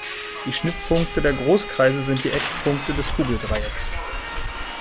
Die Schnittpunkte der Großkreise sind die Eckpunkte des Kugel-Dreiecks.